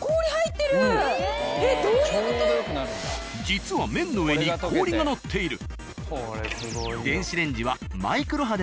実は麺の上に氷が載っている。